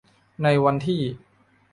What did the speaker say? ในวันที่